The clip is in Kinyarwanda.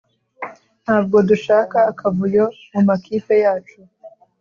Ntabwo dushaka akavuyo mu makipe yacu